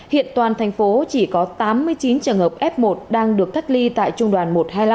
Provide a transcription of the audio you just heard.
hiện toàn thành phố chỉ có tám mươi chín trường hợp f một đang được cách ly tại trung đoàn một trăm hai mươi năm